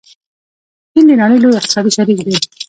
چین د نړۍ لوی اقتصادي شریک دی.